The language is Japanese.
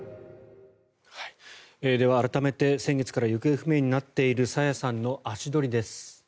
では、改めて先月から行方不明になっている朝芽さんの足取りです。